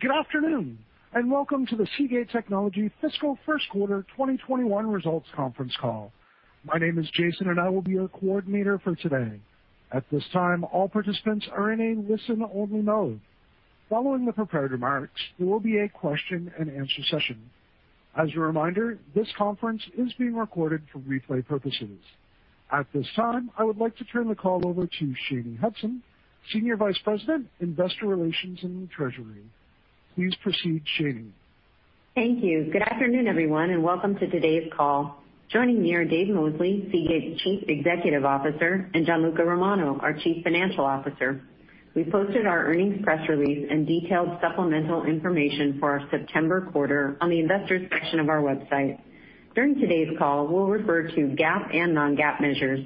Good afternoon, welcome to the Seagate Technology fiscal first quarter 2021 results conference call. My name is Jason, and I will be your coordinator for today. At this time, all participants are in a listen-only mode. Following the prepared remarks, there will be a question and answer session. As a reminder, this conference is being recorded for replay purposes. At this time, I would like to turn the call over to Shanye Hudson, Senior Vice President, investor relations and treasury. Please proceed, Shanye. Thank you. Good afternoon, everyone, and welcome to today's call. Joining me are Dave Mosley, Seagate's Chief Executive Officer, and Gianluca Romano, our Chief Financial Officer. We posted our earnings press release and detailed supplemental information for our September quarter on the Investors section of our website. During today's call, we'll refer to GAAP and non-GAAP measures.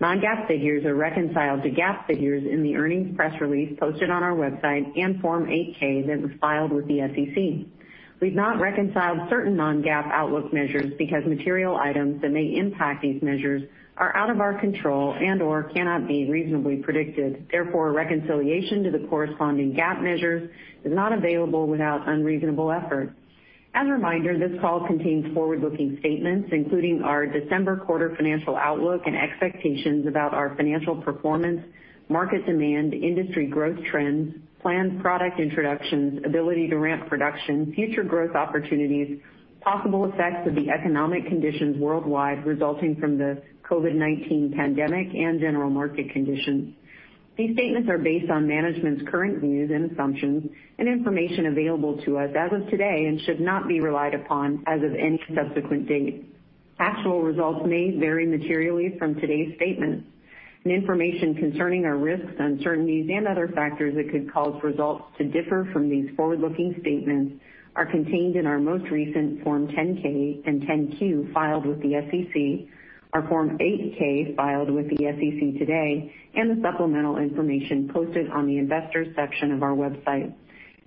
Non-GAAP figures are reconciled to GAAP figures in the earnings press release posted on our website and Form 8-K that was filed with the SEC. We've not reconciled certain non-GAAP outlook measures because material items that may impact these measures are out of our control and/or cannot be reasonably predicted. Therefore, reconciliation to the corresponding GAAP measures is not available without unreasonable effort. As a reminder, this call contains forward-looking statements, including our December quarter financial outlook and expectations about our financial performance, market demand, industry growth trends, planned product introductions, ability to ramp production, future growth opportunities, possible effects of the economic conditions worldwide resulting from the COVID-19 pandemic, and general market conditions. These statements are based on management's current views and assumptions and information available to us as of today and should not be relied upon as of any subsequent date. Actual results may vary materially from today's statements, and information concerning our risks, uncertainties, and other factors that could cause results to differ from these forward-looking statements are contained in our most recent Form 10-K and 10-Q filed with the SEC, our Form 8-K filed with the SEC today, and the supplemental information posted on the Investors section of our website.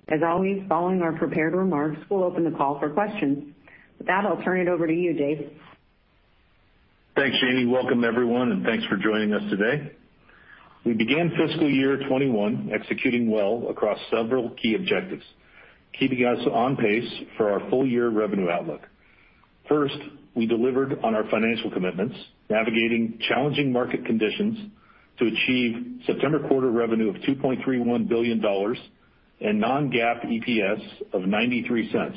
As always, following our prepared remarks, we'll open the call for questions. With that, I'll turn it over to you, Dave. Thanks, Shanye. Welcome, everyone, and thanks for joining us today. We began fiscal year 2021 executing well across several key objectives, keeping us on pace for our full year revenue outlook. First, we delivered on our financial commitments, navigating challenging market conditions to achieve September quarter revenue of $2.31 billion and non-GAAP EPS of $0.93,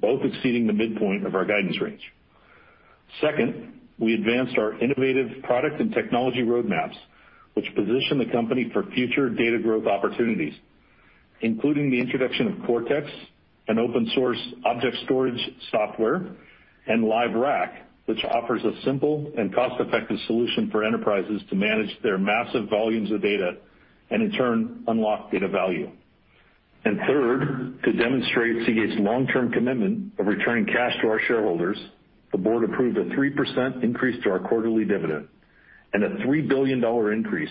both exceeding the midpoint of our guidance range. Second, we advanced our innovative product and technology roadmaps, which position the company for future data growth opportunities, including the introduction of CORTX, an open-source object storage software, and Lyve Rack, which offers a simple and cost-effective solution for enterprises to manage their massive volumes of data and in turn, unlock data value. Third, to demonstrate Seagate's long-term commitment of returning cash to our shareholders, the board approved a 3% increase to our quarterly dividend and a $3 billion increase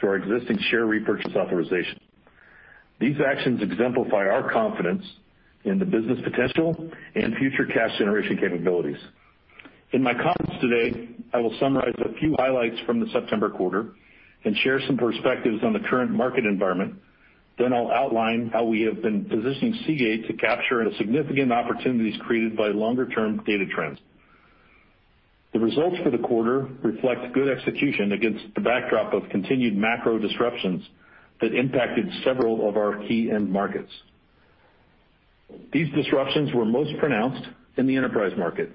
to our existing share repurchase authorization. These actions exemplify our confidence in the business potential and future cash generation capabilities. In my comments today, I will summarize a few highlights from the September quarter and share some perspectives on the current market environment. I'll outline how we have been positioning Seagate to capture the significant opportunities created by longer-term data trends. The results for the quarter reflect good execution against the backdrop of continued macro disruptions that impacted several of our key end markets. These disruptions were most pronounced in the enterprise market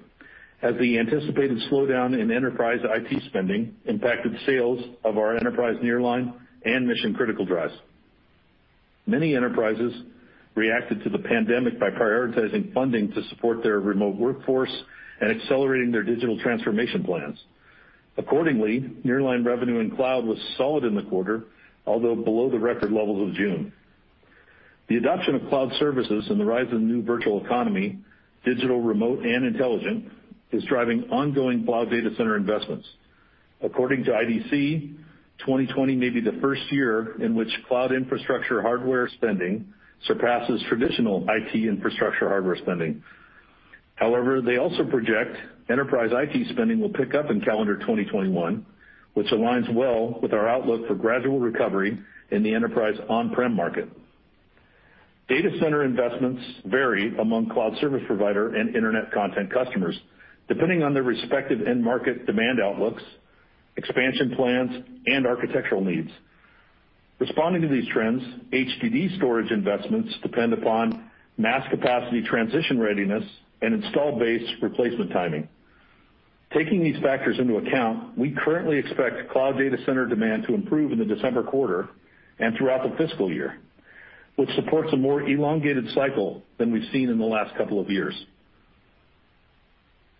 as the anticipated slowdown in enterprise IT spending impacted sales of our enterprise nearline and mission-critical drives. Many enterprises reacted to the pandemic by prioritizing funding to support their remote workforce and accelerating their digital transformation plans. Accordingly, nearline revenue and cloud was solid in the quarter, although below the record levels of June. The adoption of cloud services and the rise of the new virtual economy, digital, remote, and intelligent, is driving ongoing cloud data center investments. According to IDC, 2020 may be the first year in which cloud infrastructure hardware spending surpasses traditional IT infrastructure hardware spending. However, they also project enterprise IT spending will pick up in calendar 2021, which aligns well with our outlook for gradual recovery in the enterprise on-prem market. Data center investments vary among cloud service provider and internet content customers, depending on their respective end-market demand outlooks, expansion plans, and architectural needs. Responding to these trends, HDD storage investments depend upon mass capacity transition readiness and install base replacement timing. Taking these factors into account, we currently expect cloud data center demand to improve in the December quarter and throughout the fiscal year, which supports a more elongated cycle than we've seen in the last couple of years.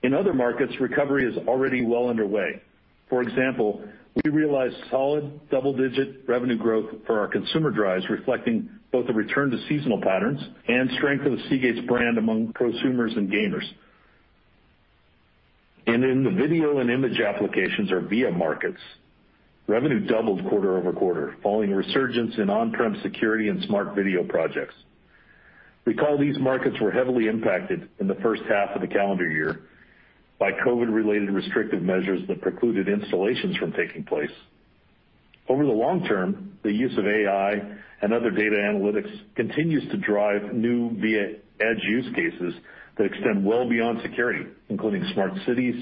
In other markets, recovery is already well underway. For example, we realized solid double-digit revenue growth for our consumer drives, reflecting both a return to seasonal patterns and strength of the Seagate brand among prosumers and gamers. In the video and image applications or VIA markets, revenue doubled quarter-over-quarter, following a resurgence in on-prem security and smart video projects. Recall these markets were heavily impacted in the first half of the calendar year by COVID-related restrictive measures that precluded installations from taking place. Over the long term, the use of AI and other data analytics continues to drive new VIA edge use cases that extend well beyond security, including smart cities,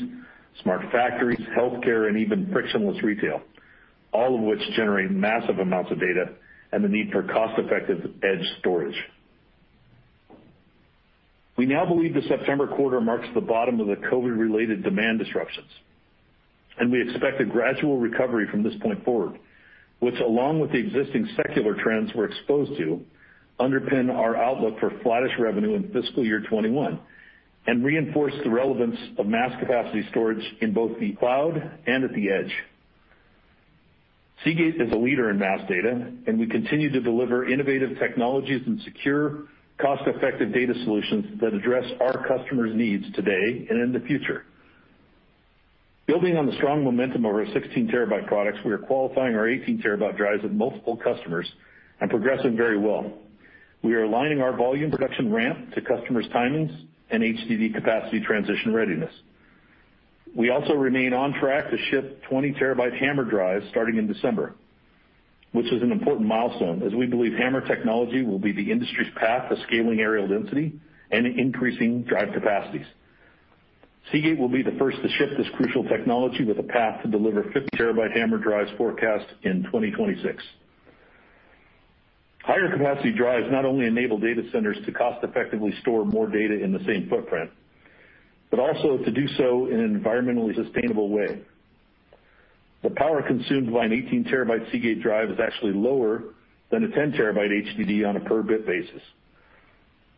smart factories, healthcare, and even frictionless retail, all of which generate massive amounts of data and the need for cost-effective edge storage. We now believe the September quarter marks the bottom of the COVID-related demand disruptions, and we expect a gradual recovery from this point forward, which, along with the existing secular trends we're exposed to, underpin our outlook for flattish revenue in fiscal year 2021 and reinforce the relevance of mass capacity storage in both the cloud and at the edge. Seagate is a leader in mass data, and we continue to deliver innovative technologies and secure, cost-effective data solutions that address our customers' needs today and in the future. Building on the strong momentum of our 16 TB products, we are qualifying our 18 TB drives with multiple customers and progressing very well. We are aligning our volume production ramp to customers' timings and HDD capacity transition readiness. We also remain on track to ship 20 TB HAMR drives starting in December, which is an important milestone as we believe HAMR technology will be the industry's path to scaling areal density and increasing drive capacities. Seagate will be the first to ship this crucial technology with a path to deliver 50 TB HAMR drives forecast in 2026. Higher capacity drives not only enable data centers to cost effectively store more data in the same footprint, but also to do so in an environmentally sustainable way. The power consumed by an 18 TB Seagate drive is actually lower than a 10 TB HDD on a per gig basis.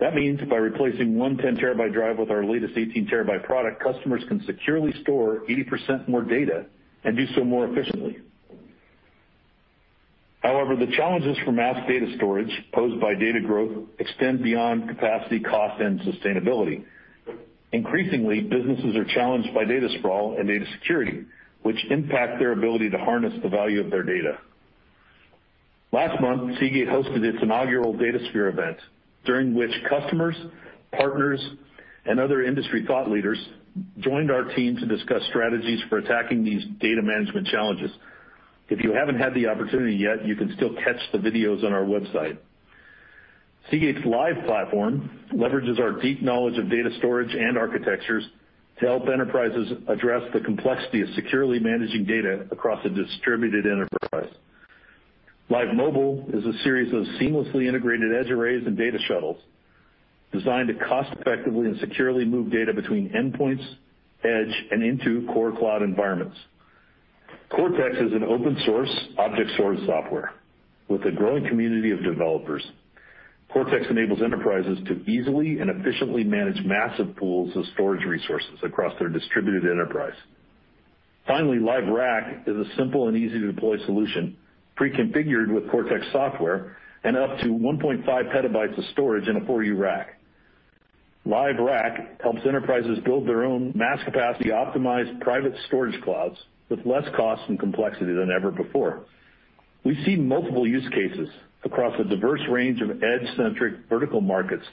That means by replacing one 10 TB drive with our latest 18 TB product, customers can securely store 80% more data and do so more efficiently. However, the challenges for mass data storage posed by data growth extend beyond capacity, cost, and sustainability. Increasingly, businesses are challenged by data sprawl and data security, which impact their ability to harness the value of their data. Last month, Seagate hosted its inaugural datasphere event, during which customers, partners, and other industry thought leaders joined our team to discuss strategies for attacking these data management challenges. If you haven't had the opportunity yet, you can still catch the videos on our website. Seagate's Lyve platform leverages our deep knowledge of data storage and architectures to help enterprises address the complexity of securely managing data across a distributed enterprise. Lyve Mobile is a series of seamlessly integrated edge arrays and data shuttles designed to cost effectively and securely move data between endpoints, edge, and into core cloud environments. CORTX is an open source object storage software with a growing community of developers. CORTX enables enterprises to easily and efficiently manage massive pools of storage resources across their distributed enterprise. Finally, Lyve Rack is a simple and easy-to-deploy solution, pre-configured with CORTX software and up to 1.5 PB of storage in a 4U rack. Lyve Rack helps enterprises build their own mass capacity optimized private storage clouds with less cost and complexity than ever before. We see multiple use cases across a diverse range of edge centric vertical markets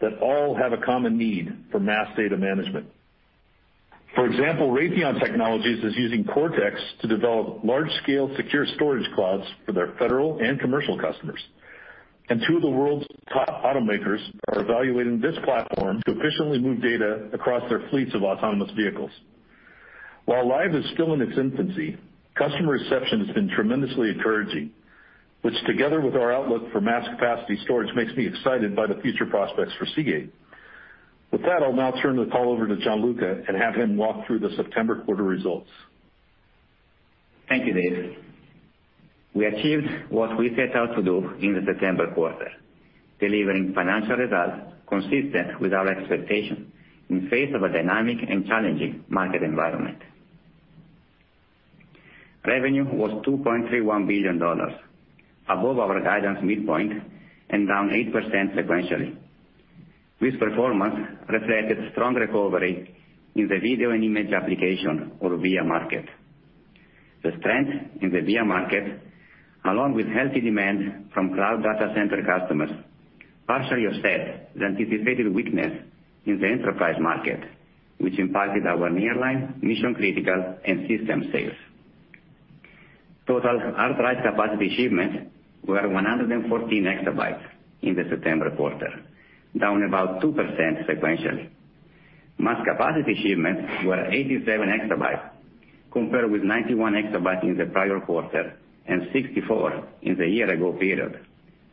that all have a common need for mass data management. For example, Raytheon Technologies is using CORTX to develop large scale secure storage clouds for their federal and commercial customers, and two of the world's top automakers are evaluating this platform to efficiently move data across their fleets of autonomous vehicles. While Lyve is still in its infancy, customer reception has been tremendously encouraging, which, together with our outlook for mass capacity storage, makes me excited by the future prospects for Seagate. With that, I'll now turn the call over to Gianluca and have him walk through the September quarter results. Thank you, Dave. We achieved what we set out to do in the September quarter, delivering financial results consistent with our expectation in face of a dynamic and challenging market environment. Revenue was $2.31 billion, above our guidance midpoint and down 8% sequentially. This performance reflected strong recovery in the video and image application or VIA market. The strength in the VIA market, along with healthy demand from cloud data center customers, partially offset the anticipated weakness in the enterprise market, which impacted our nearline, mission-critical, and systems sales. Total hard drive capacity shipments were 114 EB in the September quarter, down about 2% sequentially. Mass capacity shipments were 87 EB, compared with 91 EB in the prior quarter and 64 EB in the year-ago period,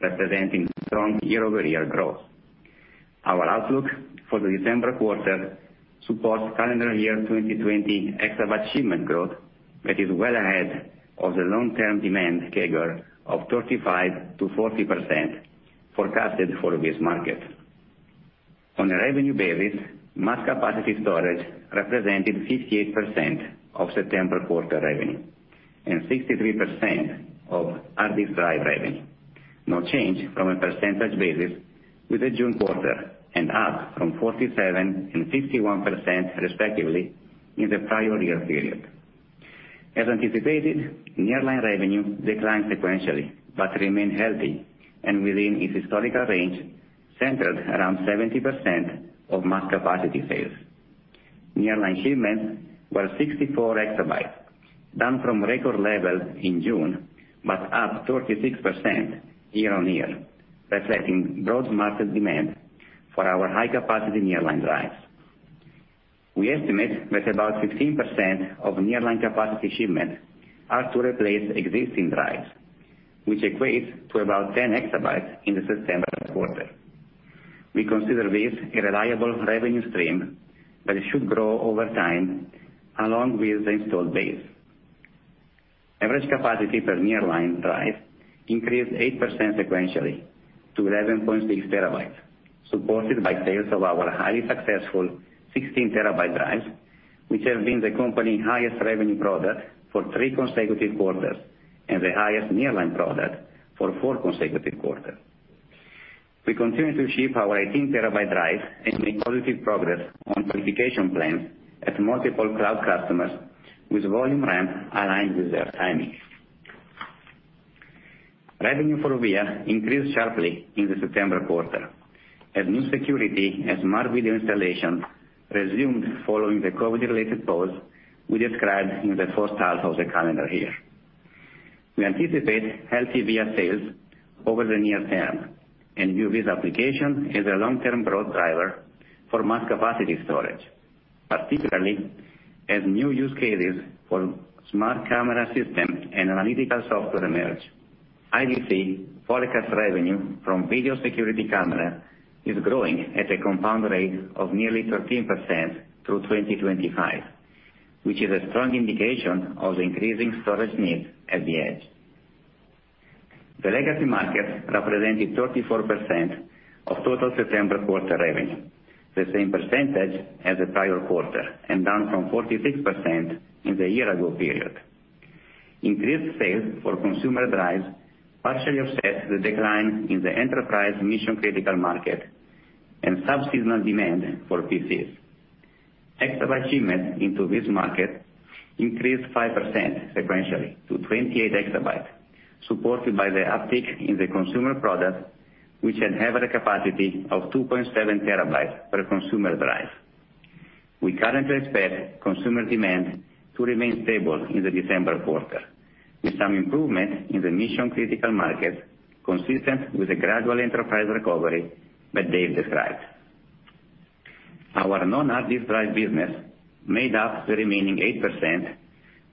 representing strong year-over-year growth. Our outlook for the December quarter supports calendar year 2020 exabyte shipment growth that is well ahead of the long-term demand CAGR of 35%-40% forecasted for this market. On a revenue basis, mass capacity storage represented 58% of September quarter revenue and 63% of hard disk drive revenue. No change from a percentage basis with the June quarter, and up from 47% and 51%, respectively, in the prior year period. As anticipated, nearline revenue declined sequentially but remained healthy and within its historical range, centered around 70% of mass capacity sales. Nearline shipments were 64 EB, down from record levels in June, but up 36% year-on-year, reflecting broad market demand for our high-capacity nearline drives. We estimate that about 15% of nearline capacity shipments are to replace existing drives, which equates to about 10 EB in the September quarter. We consider this a reliable revenue stream that should grow over time along with the installed base. Average capacity per nearline drive increased 8% sequentially to 11.6 TB, supported by sales of our highly successful 16 TB drives, which have been the company's highest revenue product for three consecutive quarters and the highest nearline product for four consecutive quarters. We continue to ship our 18 TB drives and make positive progress on qualification plans at multiple cloud customers with volume ramp aligned with their timing. Revenue for VIA increased sharply in the September quarter as new security and smart video installations resumed following the COVID-19-related pause we described in the first half of the calendar year. We anticipate healthy VIA sales over the near term and view this application as a long-term growth driver for mass capacity storage, particularly as new use cases for smart camera systems and analytical software emerge. IDC forecast revenue from video security cameras is growing at a compound rate of nearly 13% through 2025, which is a strong indication of increasing storage needs at the edge. The legacy market represented 34% of total September quarter revenue, the same percentage as the prior quarter and down from 46% in the year-ago period. Increased sales for consumer drives partially offset the decline in the enterprise mission-critical market and sub-seasonal demand for PCs. Exabyte shipments into this market increased 5% sequentially to 28 EB, supported by the uptick in the consumer products, which had an average capacity of 2.7 TB per consumer drive. We currently expect consumer demand to remain stable in the December quarter, with some improvement in the mission-critical market consistent with the gradual enterprise recovery that Dave described. Our non-HDD drive business made up the remaining 8%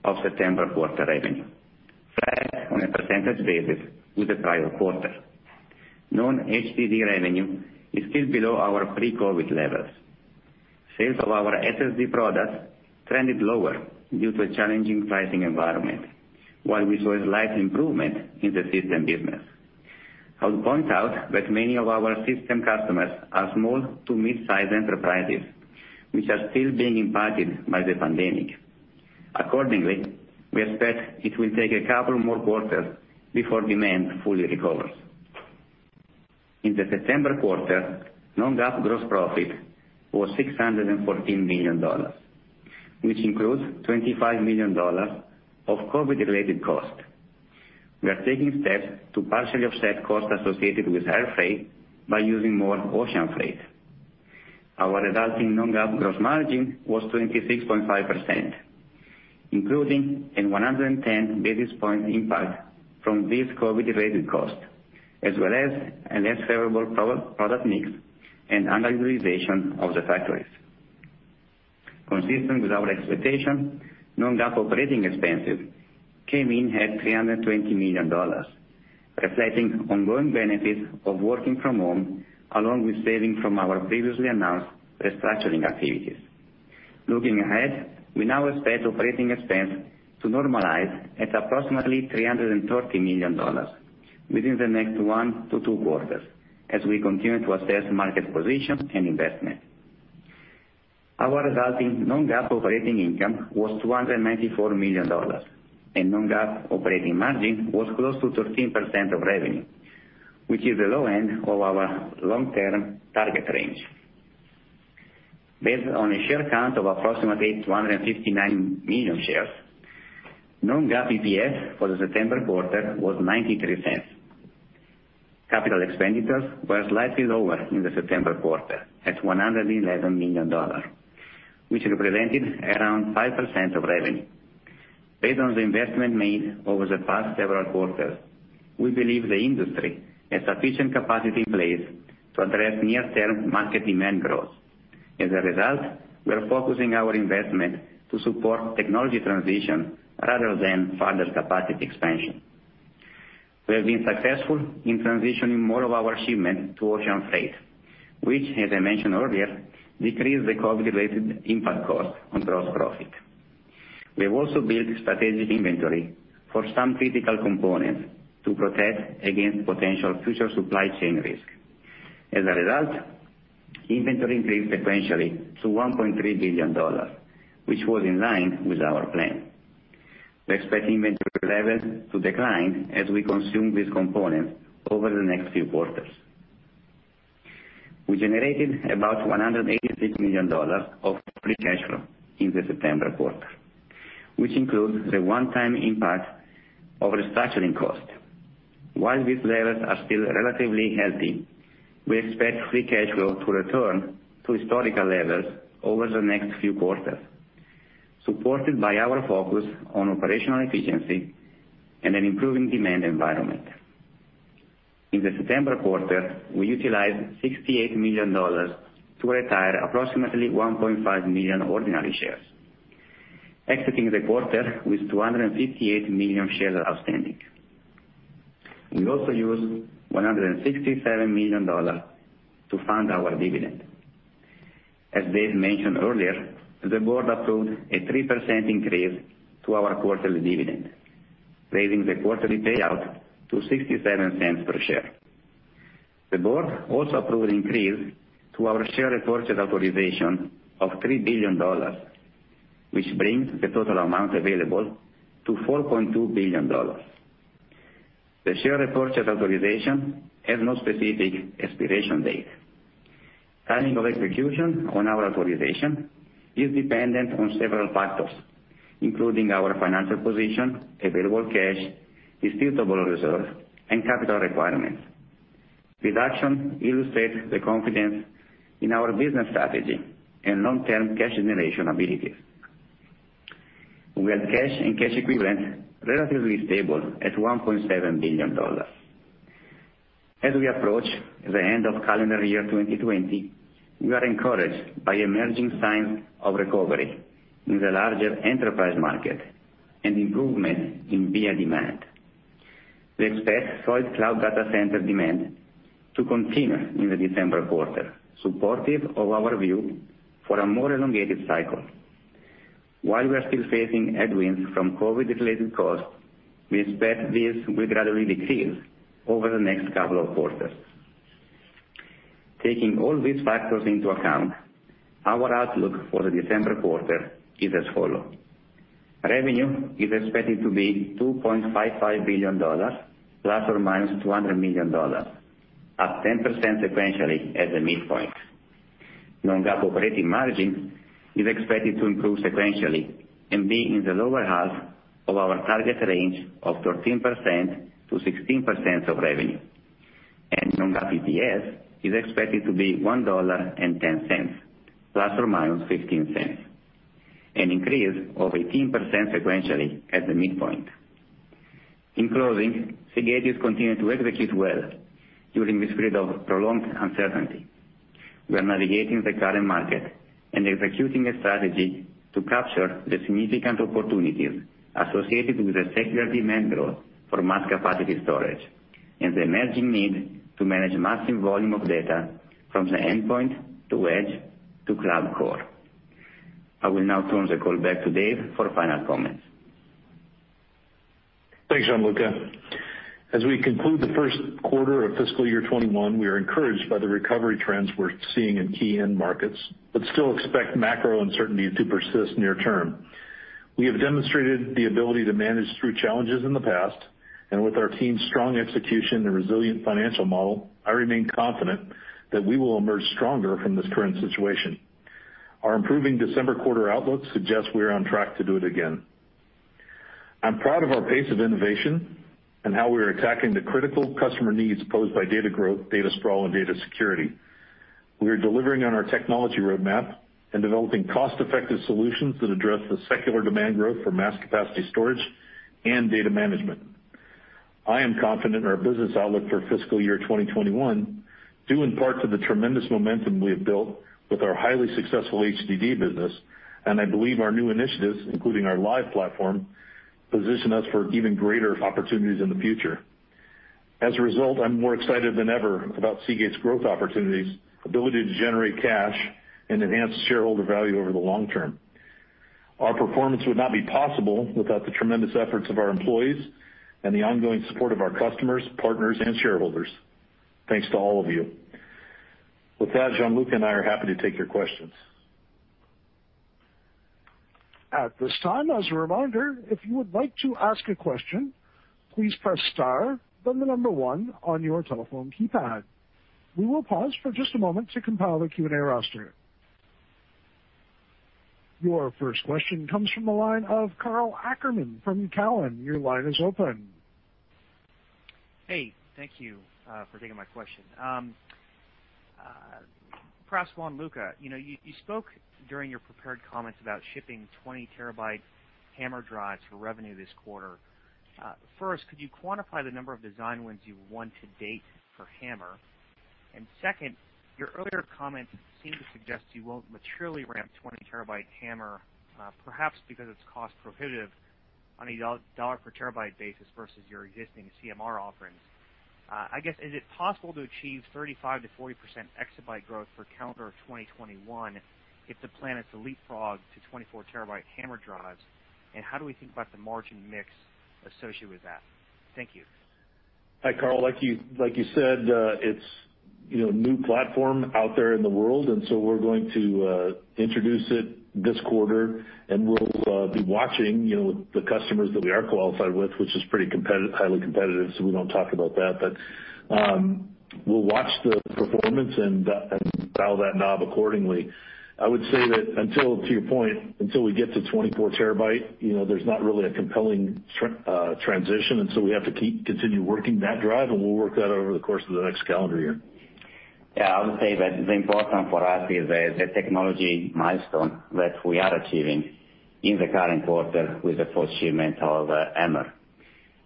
of September quarter revenue, flat on a percentage basis with the prior quarter. Non-HDD revenue is still below our pre-COVID levels. Sales of our SSD products trended lower due to a challenging pricing environment, while we saw a slight improvement in the system business. I would point out that many of our system customers are small to mid-size enterprises, which are still being impacted by the pandemic. Accordingly, we expect it will take a couple more quarters before demand fully recovers. In the September quarter, non-GAAP gross profit was $614 million, which includes $25 million of COVID-related costs. We are taking steps to partially offset costs associated with air freight by using more ocean freight. Our resulting non-GAAP gross margin was 26.5%, including a 110 basis points impact from these COVID-19-related costs, as well as a less favorable product mix and underutilization of the factories. Consistent with our expectation, non-GAAP operating expenses came in at $320 million, reflecting ongoing benefits of working from home, along with savings from our previously announced restructuring activities. Looking ahead, we now expect operating expense to normalize at approximately $330 million within the next one to two quarters as we continue to assess market position and investment. Our resulting non-GAAP operating income was $294 million, and non-GAAP operating margin was close to 13% of revenue, which is the low end of our long-term target range. Based on a share count of approximately 259 million shares, non-GAAP EPS for the September quarter was $0.93. Capital expenditures were slightly lower in the September quarter at $111 million, which represented around 5% of revenue. Based on the investment made over the past several quarters, we believe the industry has sufficient capacity in place to address near-term market demand growth. We are focusing our investment to support technology transition rather than further capacity expansion. We have been successful in transitioning more of our shipment to ocean freight, which, as I mentioned earlier, decreased the COVID-related impact cost on gross profit. We have also built strategic inventory for some critical components to protect against potential future supply chain risk. Inventory increased sequentially to $1.3 billion, which was in line with our plan. We expect inventory levels to decline as we consume these components over the next few quarters. We generated about $186 million of free cash flow in the September quarter, which includes the one-time impact of restructuring costs. While these levels are still relatively healthy, we expect free cash flow to return to historical levels over the next few quarters, supported by our focus on operational efficiency and an improving demand environment. In the September quarter, we utilized $68 million to retire approximately 1.5 million ordinary shares, exiting the quarter with 258 million shares outstanding. We also used $167 million to fund our dividend. As Dave mentioned earlier, the board approved a 3% increase to our quarterly dividend, raising the quarterly payout to $0.67 per share. The board also approved an increase to our share repurchase authorization of $3 billion, which brings the total amount available to $4.2 billion. The share repurchase authorization has no specific expiration date. Timing of execution on our authorization is dependent on several factors, including our financial position, available cash, distributable reserve, and capital requirements. Reduction illustrates the confidence in our business strategy and long-term cash generation abilities. We have cash and cash equivalents relatively stable at $1.7 billion. As we approach the end of calendar year 2020, we are encouraged by emerging signs of recovery in the larger enterprise market and improvement in peer demand. We expect solid cloud data center demand to continue in the December quarter, supportive of our view for a more elongated cycle. While we are still facing headwinds from COVID-related costs, we expect this will gradually decrease over the next couple of quarters. Taking all these factors into account, our outlook for the December quarter is as follow. Revenue is expected to be $2.55 billion, ±$200 million, up 10% sequentially at the midpoint. Non-GAAP operating margin is expected to improve sequentially and be in the lower half of our target range of 13%-16% of revenue, and non-GAAP EPS is expected to be $1.10, ±$0.15, an increase of 18% sequentially at the midpoint. In closing, Seagate is continuing to execute well during this period of prolonged uncertainty. We are navigating the current market and executing a strategy to capture the significant opportunities associated with the secular demand growth for mass capacity storage and the emerging need to manage massive volume of data from the endpoint to edge to cloud core. I will now turn the call back to Dave for final comments. Thanks, Gianluca. As we conclude the first quarter of fiscal year 2021, we are encouraged by the recovery trends we're seeing in key end markets but still expect macro uncertainty to persist near term. We have demonstrated the ability to manage through challenges in the past, and with our team's strong execution and resilient financial model, I remain confident that we will emerge stronger from this current situation. Our improving December quarter outlook suggests we are on track to do it again. I'm proud of our pace of innovation and how we are attacking the critical customer needs posed by data growth, data sprawl, and data security. We are delivering on our technology roadmap and developing cost-effective solutions that address the secular demand growth for mass capacity storage and data management. I am confident in our business outlook for fiscal year 2021, due in part to the tremendous momentum we have built with our highly successful HDD business, and I believe our new initiatives, including our Lyve platform, position us for even greater opportunities in the future. As a result, I'm more excited than ever about Seagate's growth opportunities, ability to generate cash, and enhance shareholder value over the long term. Our performance would not be possible without the tremendous efforts of our employees and the ongoing support of our customers, partners, and shareholders. Thanks to all of you. With that, Gianluca and I are happy to take your questions. Your first question comes from the line of Karl Ackerman from Cowen. Hey, thank you for taking my question. Perhaps Gianluca, you spoke during your prepared comments about shipping 20 TB HAMR drives for revenue this quarter. First, could you quantify the number of design wins you won to date for HAMR? Second, your earlier comments seem to suggest you won't materially ramp 20 TB HAMR, perhaps because it's cost prohibitive on a $ per terabyte basis versus your existing CMR offerings. I guess, is it possible to achieve 35%-40% EB growth for calendar 2021 if the plan is to leapfrog to 24 TB HAMR drives, and how do we think about the margin mix associated with that? Thank you. Hi, Karl. Like you said, it's a new platform out there in the world, and so we're going to introduce it this quarter, and we'll be watching the customers that we are qualified with, which is highly competitive, so we don't talk about that. We'll watch the performance and dial that knob accordingly. I would say that to your point, until we get to 24 TB, there's not really a compelling transition. We have to keep continuing working that drive, and we'll work that over the course of the next calendar year. Yeah. I would say that the important for us is the technology milestone that we are achieving in the current quarter with the first shipment of HAMR.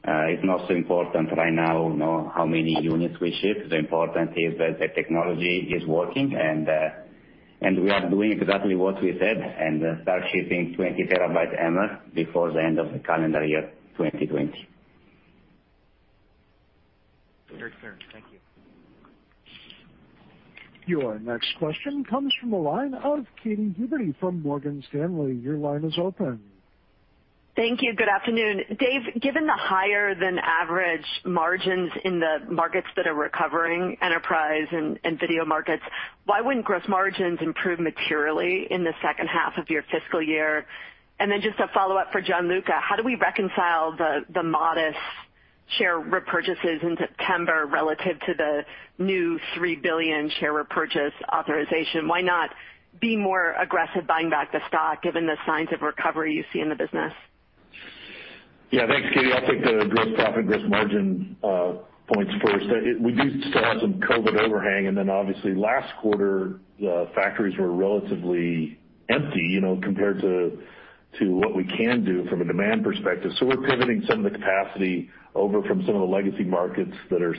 It's not so important right now how many units we ship. The important is that the technology is working, and we are doing exactly what we said and start shipping 20 TB HAMR before the end of the calendar year 2020. Very clear. Thank you. Your next question comes from the line of Katy Huberty from Morgan Stanley. Your line is open. Thank you. Good afternoon. Dave, given the higher than average margins in the markets that are recovering, enterprise and video markets, why wouldn't gross margins improve materially in the second half of your fiscal year? Just a follow-up for Gianluca. How do we reconcile the modest share repurchases in September relative to the new $3 billion share repurchase authorization? Why not be more aggressive buying back the stock given the signs of recovery you see in the business? Yeah. Thanks, Katy. I'll take the gross profit, gross margin points first. We do still have some COVID overhang, and then obviously last quarter, the factories were relatively empty compared to what we can do from a demand perspective. We're pivoting some of the capacity over from some of the legacy markets that are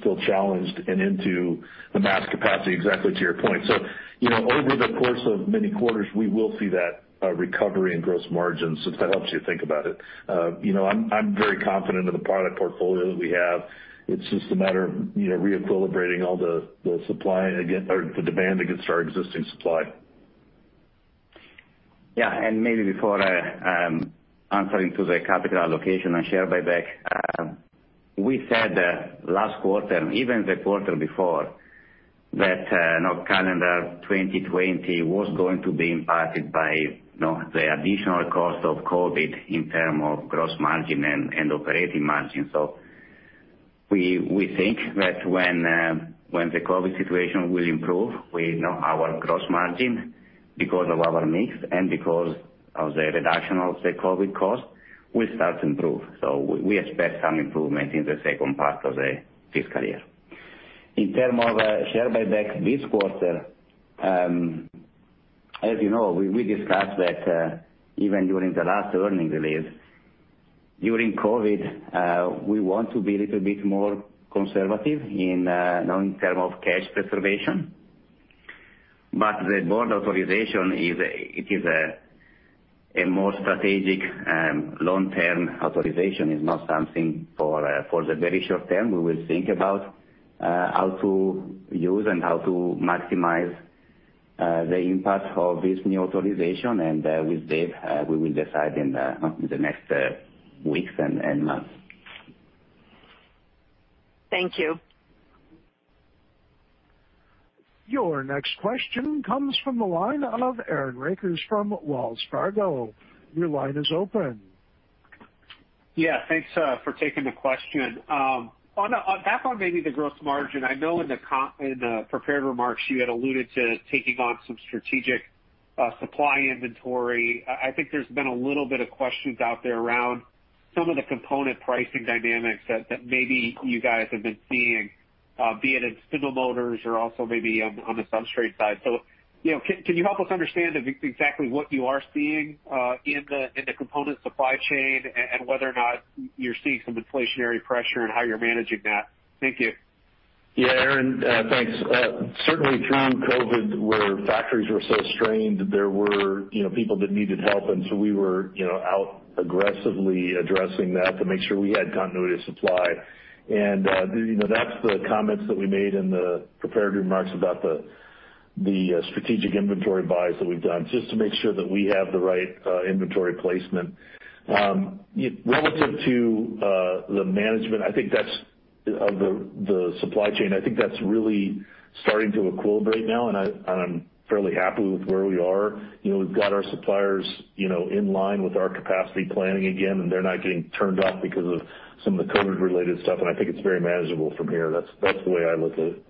still challenged and into the mass capacity, exactly to your point. Over the course of many quarters, we will see that recovery in gross margins, if that helps you think about it. I'm very confident in the product portfolio that we have. It's just a matter of re-equilibrating all the demand against our existing supply. Yeah. Before answering to the capital allocation and share buyback, we said last quarter, even the quarter before, that calendar 2020 was going to be impacted by the additional cost of COVID in terms of gross margin and operating margin. We think that when the COVID situation will improve, our gross margin, because of our mix and because of the reduction of the COVID cost, will start to improve. We expect some improvement in the second part of the fiscal year. In terms of share buyback this quarter, as you know, we discussed that even during the last earnings release, during COVID, we want to be a little bit more conservative in terms of cash preservation. The board authorization is a more strategic, long-term authorization. It's not something for the very short term. We will think about how to use and how to maximize the impact of this new authorization. With Dave, we will decide in the next weeks and months. Thank you. Your next question comes from the line of Aaron Rakers from Wells Fargo. Your line is open. Yeah. Thanks for taking the question. Back on maybe the gross margin. I know in the prepared remarks, you had alluded to taking on some strategic supply inventory. I think there's been a little bit of questions out there around some of the component pricing dynamics that maybe you guys have been seeing, be it in spindle motors or also maybe on the substrate side. Can you help us understand exactly what you are seeing in the component supply chain and whether or not you're seeing some inflationary pressure and how you're managing that? Thank you. Yeah, Aaron. Thanks. Certainly during COVID, where factories were so strained, there were people that needed help. We were out aggressively addressing that to make sure we had continuity of supply. That's the comments that we made in the prepared remarks about the strategic inventory buys that we've done, just to make sure that we have the right inventory placement. Relative to the management of the supply chain, I think that's really starting to equilibrate now, and I'm fairly happy with where we are. We've got our suppliers in line with our capacity planning again, and they're not getting turned off because of some of the COVID-related stuff, and I think it's very manageable from here. That's the way I look at it.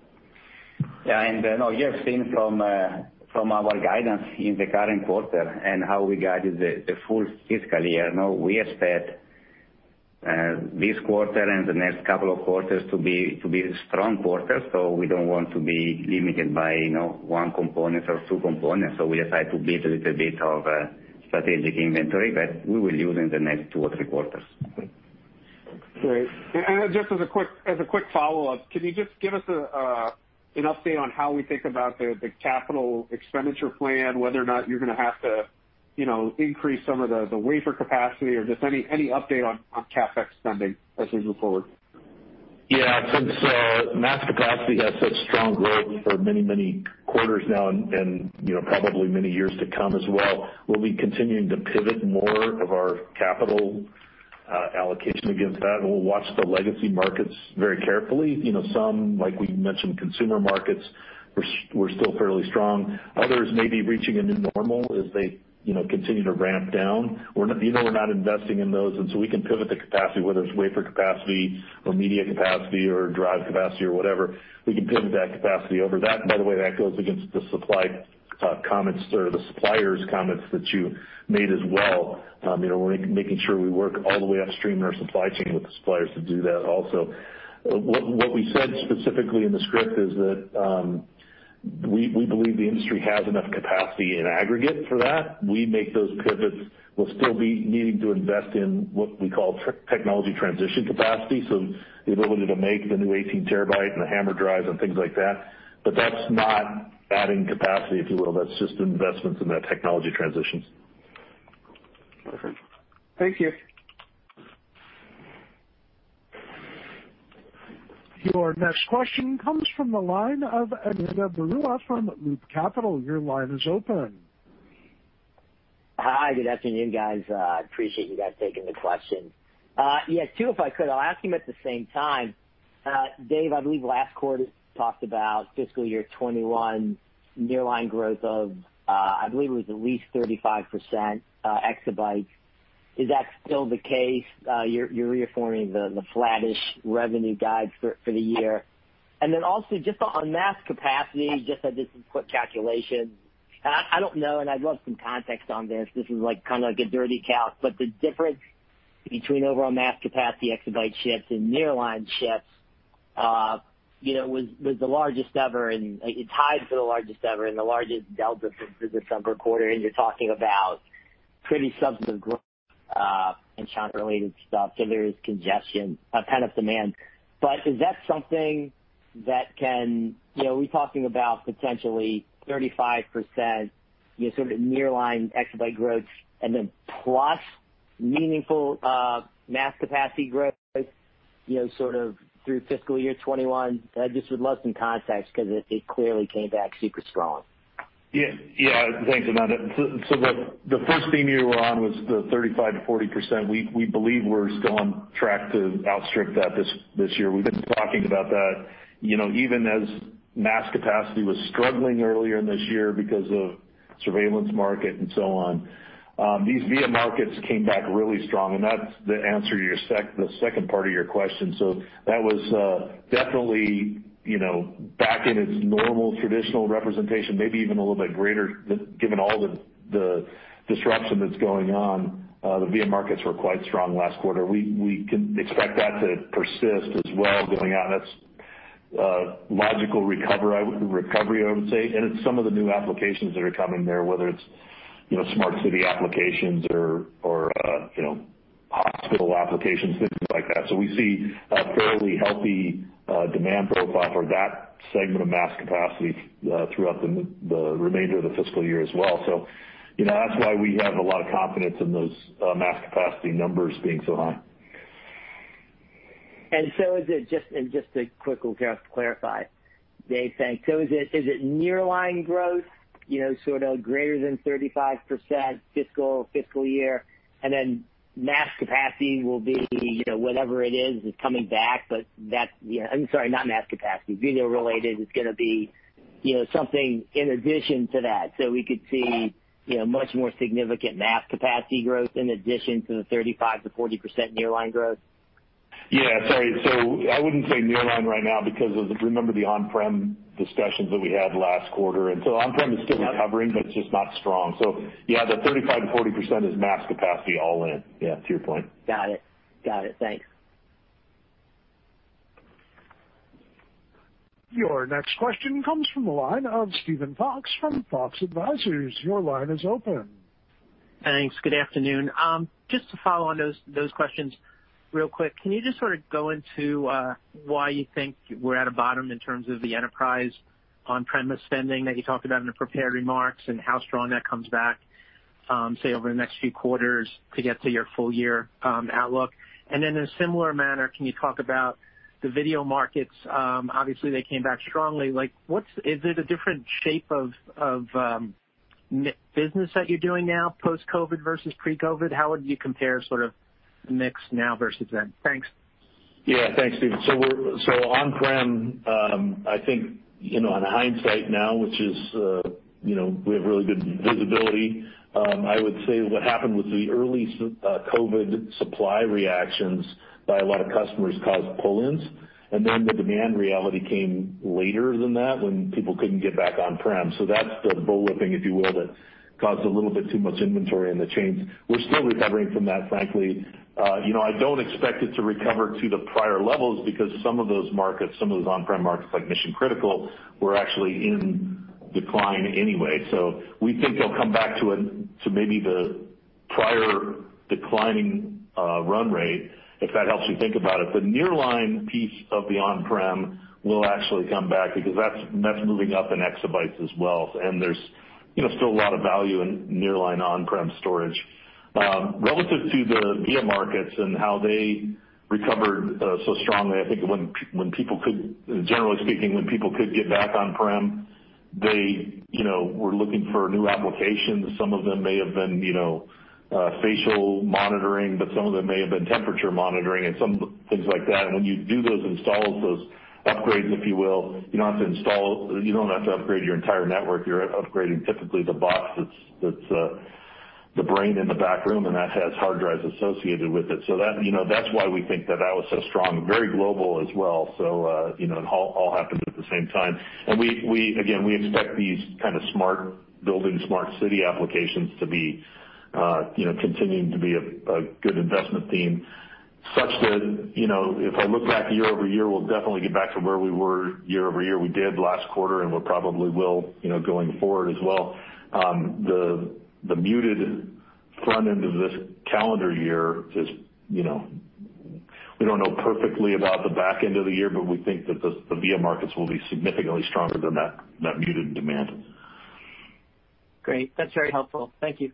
Yeah. You have seen from our guidance in the current quarter and how we guided the full fiscal year, we expect this quarter and the next couple of quarters to be strong quarters. We don't want to be limited by one component or two components. We decide to build a little bit of strategic inventory that we will use in the next two or three quarters. Great. Just as a quick follow-up, can you just give us an update on how we think about the capital expenditure plan, whether or not you're going to have to increase some of the wafer capacity or just any update on CapEx spending as we move forward? Yeah. Since mass capacity has such strong growth for many quarters now, and probably many years to come as well, we'll be continuing to pivot more of our capital allocation against that, and we'll watch the legacy markets very carefully. Some, like we mentioned, consumer markets were still fairly strong. Others may be reaching a new normal as they continue to ramp down. We're not investing in those, and so we can pivot the capacity, whether it's wafer capacity or media capacity or drive capacity or whatever. We can pivot that capacity over. That, by the way, that goes against the supplier's comments that you made as well. We're making sure we work all the way upstream in our supply chain with the suppliers to do that also. What we said specifically in the script is that we believe the industry has enough capacity in aggregate for that. We make those pivots. We'll still be needing to invest in what we call technology transition capacity, so the ability to make the new 18 TB and the HAMR drives and things like that. That's not adding capacity, if you will. That's just investments in that technology transitions. Perfect. Thank you. Your next question comes from the line of Ananda Baruah from Loop Capital. Your line is open. Hi, good afternoon, guys. I appreciate you guys taking the question. Yeah, two, if I could. I'll ask them at the same time. Dave, I believe last quarter talked about fiscal year 2021 nearline growth of I believe it was at least 35%, exabytes. Is that still the case? You're reaffirming the flattish revenue guide for the year. Also just on mass capacity, just did some quick calculations. I don't know, and I'd love some context on this. This is a dirty calc, the difference between overall mass capacity exabyte ships and nearline ships was the largest ever, and it's tied for the largest ever and the largest delta for the summer quarter, and you're talking about pretty substantive growth in channel-related stuff. There is congestion, a pent-up demand. Are we talking about potentially 35% sort of nearline exabyte growth and then plus meaningful mass capacity growth sort of through fiscal year 2021? I just would love some context because it clearly came back super strong. Thanks, Ananda. The first theme you were on was the 35%-40%. We believe we're still on track to outstrip that this year. We've been talking about that. Even as mass capacity was struggling earlier in this year because of surveillance market and so on. These VIA markets came back really strong, that's the answer to the second part of your question. That was definitely back in its normal traditional representation, maybe even a little bit greater given all the disruption that's going on. The VIA markets were quite strong last quarter. We can expect that to persist as well going out, that's logical recovery, I would say, it's some of the new applications that are coming there, whether it's smart city applications or hospital applications, things like that. We see a fairly healthy demand profile for that segment of mass capacity throughout the remainder of the fiscal year as well. That's why we have a lot of confidence in those mass capacity numbers being so high. Just a quick, just to clarify, Dave, thanks. Is it nearline growth sort of greater than 35% fiscal year, and then mass capacity will be whatever it is coming back, but that I'm sorry, not mass capacity. Video-related is going to be something in addition to that. We could see much more significant mass capacity growth in addition to the 35%-40% nearline growth? Yeah, sorry. I wouldn't say nearline right now because remember the on-prem discussions that we had last quarter, and so on-prem is still recovering, but it's just not strong. Yeah, the 35%-40% is mass capacity all in. Yeah, to your point. Got it. Thanks. Your next question comes from the line of Steven Fox from Fox Advisors. Your line is open. Thanks. Good afternoon. To follow on those questions real quick. You just sort of go into why you think we're at a bottom in terms of the enterprise on-premise spending that you talked about in the prepared remarks and how strong that comes back, say, over the next few quarters to get to your full year outlook? In a similar manner, can you talk about the video markets? Obviously, they came back strongly. Is it a different shape of business that you're doing now post-COVID-19 versus pre-COVID-19? How would you compare sort of mix now versus then? Thanks. Yeah. Thanks, Steven. On-prem, I think on hindsight now, which is we have really good visibility, I would say what happened with the early COVID supply reactions by a lot of customers caused pull-ins, and then the demand reality came later than that when people couldn't get back on-prem. That's the bullwhipping, if you will, that caused a little bit too much inventory in the chains. We're still recovering from that, frankly. I don't expect it to recover to the prior levels because some of those markets, some of those on-prem markets like mission-critical, were actually in decline anyway. We think they'll come back to maybe the prior declining run rate, if that helps you think about it. The nearline piece of the on-prem will actually come back because that's moving up in exabytes as well, and there's still a lot of value in nearline on-prem storage. Relative to the VIA markets and how they recovered so strongly, I think, generally speaking, when people could get back on-prem, they were looking for new applications. Some of them may have been facial monitoring, but some of them may have been temperature monitoring, and some things like that. When you do those installs, those upgrades, if you will, you don't have to upgrade your entire network. You're upgrading typically the box that's the brain in the back room, and that has hard drives associated with it. That's why we think that was so strong, very global as well. It all happened at the same time. Again, we expect these kind of smart building, smart city applications to be continuing to be a good investment theme, such that, if I look back year-over-year, we'll definitely get back to where we were year-over-year. We did last quarter. We probably will going forward as well. The muted front end of this calendar year, we don't know perfectly about the back end of the year. We think that the VIA markets will be significantly stronger than that muted demand. Great. That's very helpful. Thank you.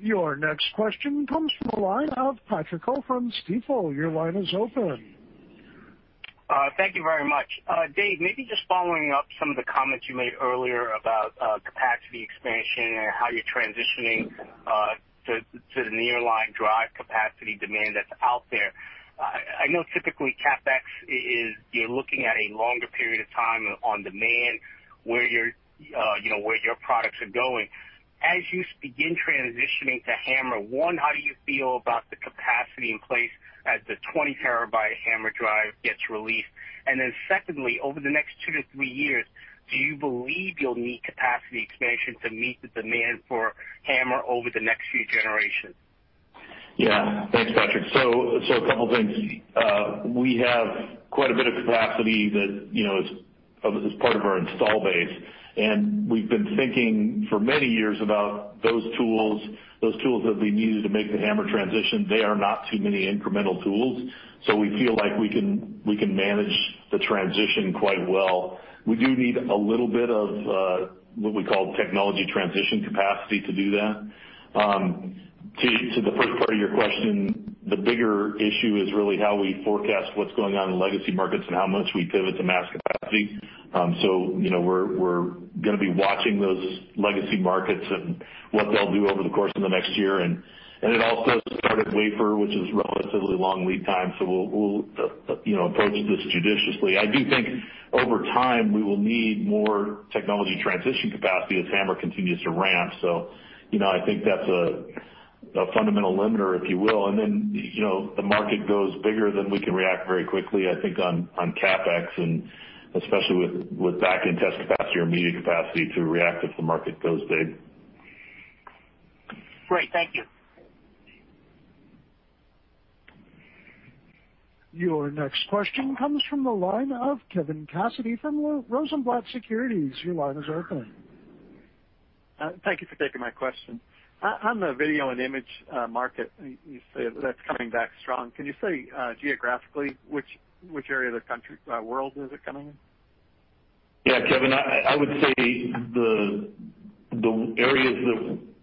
Your next question comes from the line of Patrick Ho from Stifel. Your line is open. Thank you very much. Dave, maybe just following up some of the comments you made earlier about capacity expansion and how you're transitioning to the nearline drive capacity demand that's out there. I know typically CapEx is you're looking at a longer period of time on demand, where your products are going. As you begin transitioning to HAMR, one, how do you feel about the capacity in place as the 20 TB HAMR drive gets released? Secondly, over the next two to three years, do you believe you'll need capacity expansion to meet the demand for HAMR over the next few generations? Thanks, Patrick. A couple things. We have quite a bit of capacity that is part of our install base, and we've been thinking for many years about those tools that will be needed to make the HAMR transition. They are not too many incremental tools, we feel like we can manage the transition quite well. We do need a little bit of what we call technology transition capacity to do that. To the first part of your question, the bigger issue is really how we forecast what's going on in legacy markets and how much we pivot to mass capacity. We're going to be watching those legacy markets and what they'll do over the course of the next year. It all starts at wafer, which is a relatively long lead time, we'll approach this judiciously. I do think over time, we will need more technology transition capacity as HAMR continues to ramp. I think that's a fundamental limiter, if you will. The market goes bigger than we can react very quickly, I think on CapEx, and especially with back-end test capacity or media capacity to react if the market goes big. Great. Thank you. Your next question comes from the line of Kevin Cassidy from Rosenblatt Securities. Your line is open. Thank you for taking my question. On the Video and Image market, you say that's coming back strong. Can you say geographically which area of the world is it coming in? Yeah, Kevin. I would say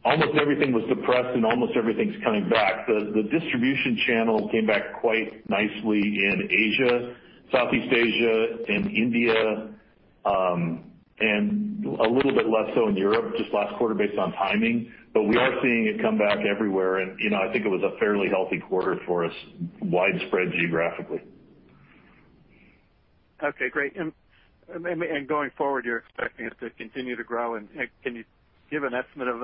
almost everything was suppressed, and almost everything's coming back. The distribution channel came back quite nicely in Asia, Southeast Asia, and India, and a little bit less so in Europe, just last quarter based on timing. We are seeing it come back everywhere, and I think it was a fairly healthy quarter for us, widespread geographically. Okay, great. Going forward, you're expecting it to continue to grow. Can you give an estimate of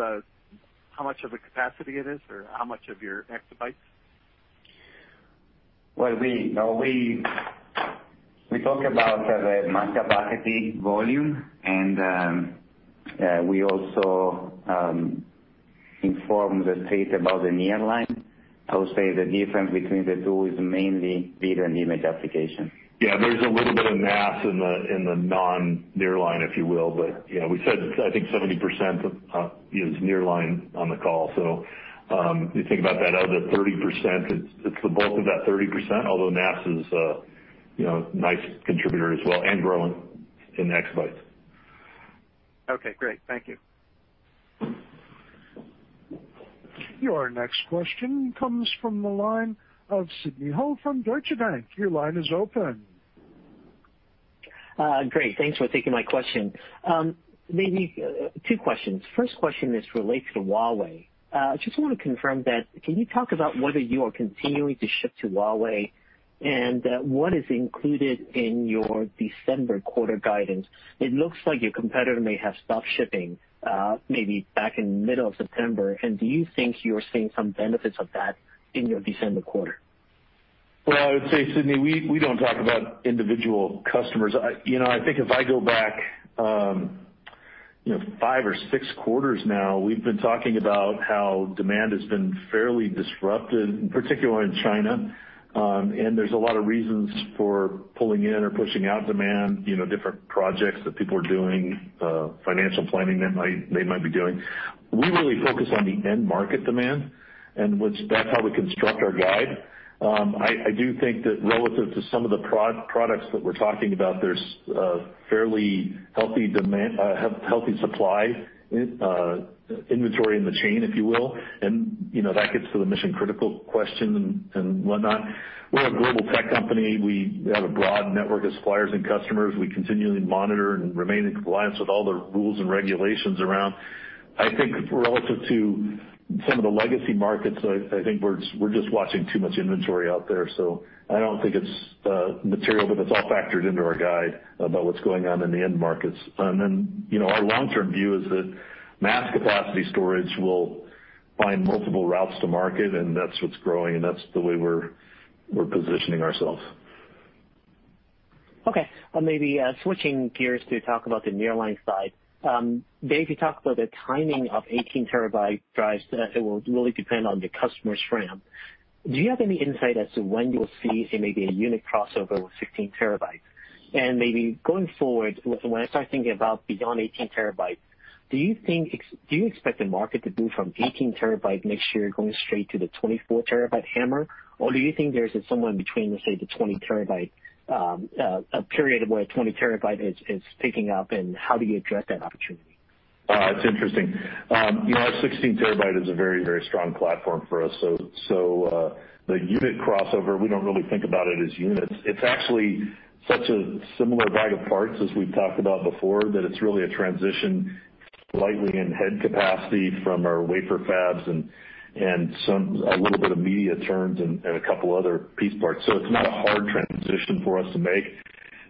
how much of the capacity it is or how much of your exabytes? We talk about the mass capacity volume, and we also inform the Street about the nearline. I would say the difference between the two is mainly video and image applications. There's a little bit of NAS in the non-nearline, if you will. We said I think 70% is nearline on the call. You think about that other 30%, it's the bulk of that 30%, although NAS is a nice contributor as well, and growing in exabytes. Okay, great. Thank you. Your next question comes from the line of Sidney Ho from Deutsche Bank. Your line is open. Great. Thanks for taking my question. Maybe two questions. First question is related to Huawei. I just want to confirm that, can you talk about whether you are continuing to ship to Huawei, and what is included in your December quarter guidance? It looks like your competitor may have stopped shipping, maybe back in the middle of September. Do you think you're seeing some benefits of that in your December quarter? Well, I would say, Sidney, we don't talk about individual customers. I think if I go back five or six quarters now, we've been talking about how demand has been fairly disrupted, particularly in China. There's a lot of reasons for pulling in or pushing out demand, different projects that people are doing, financial planning they might be doing. We really focus on the end market demand. That's how we construct our guide. I do think that relative to some of the products that we're talking about, there's a fairly healthy supply inventory in the chain, if you will. That gets to the mission-critical question and whatnot. We're a global tech company. We have a broad network of suppliers and customers. We continually monitor and remain in compliance with all the rules and regulations around. I think relative to some of the legacy markets, I think we're just watching too much inventory out there. I don't think it's material, but it's all factored into our guide about what's going on in the end markets. Our long-term view is that mass capacity storage will find multiple routes to market, and that's what's growing, and that's the way we're positioning ourselves. Okay. Maybe switching gears to talk about the nearline side. Dave, you talked about the timing of 18 TB drives, that it will really depend on the customer's HAMR. Do you have any insight as to when you'll see maybe a unit crossover with 16 TB? Maybe going forward, when I start thinking about beyond 18 TB, do you expect the market to move from 18 TB next year going straight to the 24 TB HAMR? Do you think there's somewhere in between, let's say, the 20 TB, a period where 20 TB is picking up, and how do you address that opportunity? It's interesting. 16 TB is a very strong platform for us. The unit crossover, we don't really think about it as units. It's actually such a similar bag of parts as we've talked about before, that it's really a transition lightly in head capacity from our wafer fabs and a little bit of media turns and a couple other piece parts. It's not a hard transition for us to make.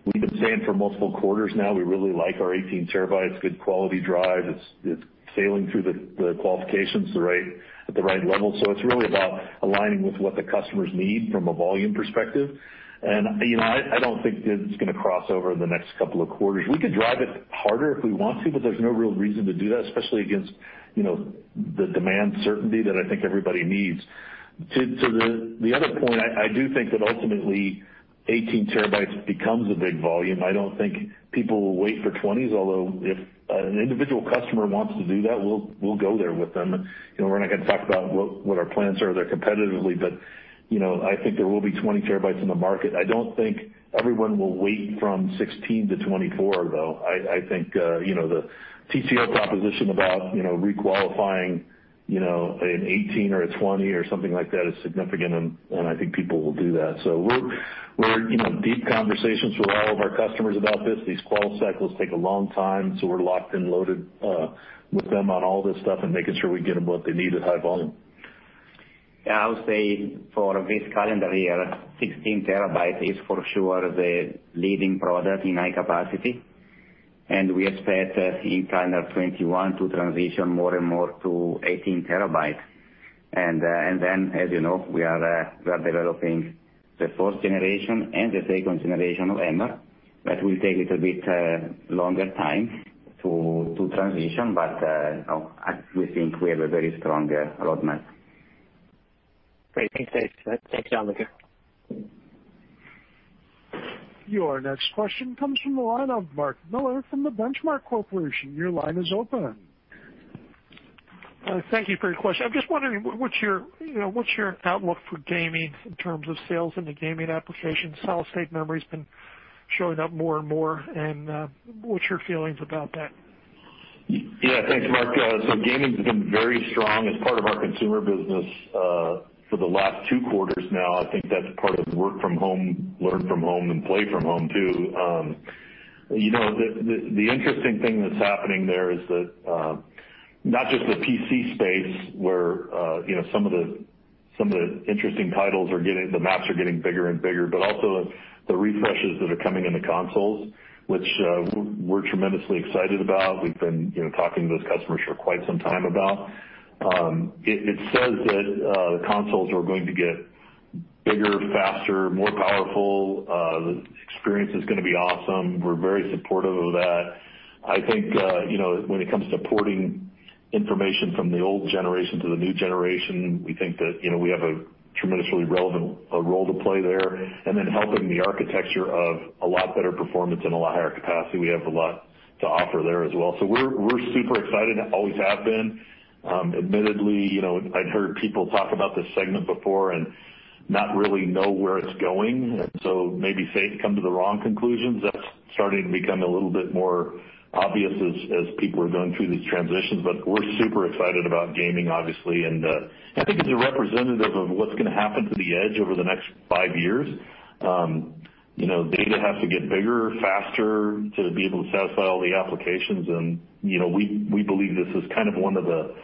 We've been saying for multiple quarters now, we really like our 18 TB. It's good quality drive. It's sailing through the qualifications at the right level. It's really about aligning with what the customers need from a volume perspective. I don't think that it's going to cross over in the next couple of quarters. We could drive it harder if we want to, but there's no real reason to do that, especially against the demand certainty that I think everybody needs. To the other point, I do think that ultimately 18 TB becomes a big volume. I don't think people will wait for 20s, although if an individual customer wants to do that, we'll go there with them. We're not going to talk about what our plans are there competitively, but I think there will be 20 TB in the market. I don't think everyone will wait from 16 TB to 24 TB, though. I think the TCO proposition about re-qualifying an 18 TB or a 20 TB or something like that is significant, and I think people will do that. We're in deep conversations with all of our customers about this. These qual cycles take a long time, so we're locked and loaded with them on all this stuff and making sure we get them what they need at high volume. Yeah, I would say for this calendar year, 16 TB is for sure the leading product in high capacity. We expect in calendar 2021 to transition more and more to 18 TB. As you know, we are developing the first generation and the second generation of HAMR. That will take a little bit longer time to transition, I think we have a very strong roadmap. Great. Thanks, Dave. Thanks, Gianluca. Your next question comes from the line of Mark Miller from The Benchmark Company. Your line is open. Thank you for your question. I'm just wondering, what's your outlook for gaming in terms of sales in the gaming application? Solid state memory's been showing up more and more, and what's your feelings about that? Yeah, thanks, Mark. Gaming's been very strong as part of our consumer business for the last two quarters now. I think that's part of work from home, learn from home, and play from home, too. The interesting thing that's happening there is that not just the PC space where some of the interesting titles, the maps are getting bigger and bigger, but also the refreshes that are coming in the consoles, which we're tremendously excited about. We've been talking to those customers for quite some time about. It says that the consoles are going to get bigger, faster, more powerful. The experience is going to be awesome. We're very supportive of that. I think when it comes to porting information from the old generation to the new generation, we think that we have a tremendously relevant role to play there. Helping the architecture of a lot better performance and a lot higher capacity, we have a lot to offer there as well. We're super excited, always have been. Admittedly, I'd heard people talk about this segment before and not really know where it's going, maybe faith come to the wrong conclusions. That's starting to become a little bit more obvious as people are going through these transitions. We're super excited about gaming, obviously. I think it's a representative of what's going to happen to the edge over the next five years. Data has to get bigger, faster to be able to satisfy all the applications, and we believe this is kind of one of the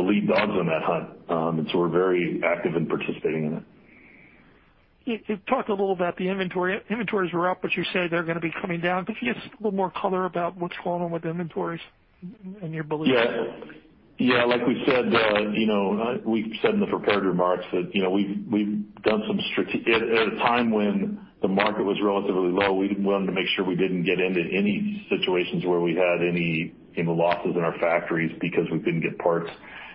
lead dogs on that hunt. We're very active in participating in it. You talked a little about the inventory. Inventories were up, but you say they're going to be coming down. Could you give us a little more color about what's going on with inventories and your belief? Yeah. Like we said in the prepared remarks, at a time when the market was relatively low, we wanted to make sure we didn't get into any situations where we had any losses in our factories because we couldn't get parts.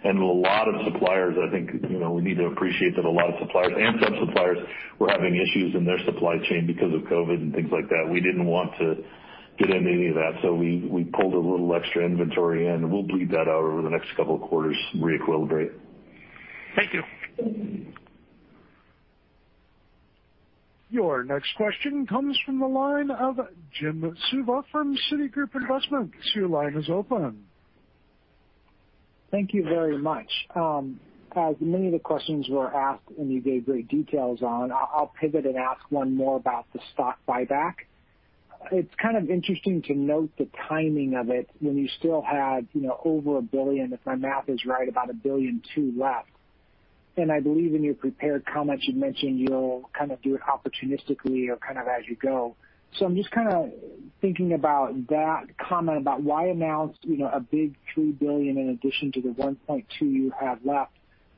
A lot of suppliers, I think we need to appreciate that a lot of suppliers and some suppliers were having issues in their supply chain because of COVID and things like that. We didn't want to get into any of that. We pulled a little extra inventory in, and we'll bleed that out over the next couple of quarters, re-equilibrate. Thank you. Your next question comes from the line of Jim Suva from Citigroup Investment. Your line is open. Thank you very much. As many of the questions were asked, and you gave great details on, I'll pivot and ask one more about the stock buyback. It's kind of interesting to note the timing of it when you still had over $1 billion, if my math is right, about $1.2 billion left. I believe in your prepared comments, you mentioned you'll kind of do it opportunistically or kind of as you go. I'm just thinking about that comment about why announce a big $3 billion in addition to the $1.2 billion you had left.